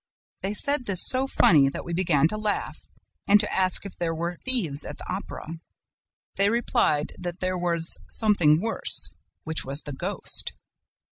They said this so funnily that we began to laugh and to ask if there were thieves at the Opera. They replied that there was something worse, which was the GHOST.